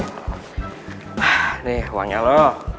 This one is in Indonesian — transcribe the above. hah nih uangnya lo